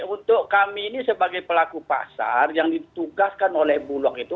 untuk kami ini sebagai pelaku pasar yang ditugaskan oleh bulog itu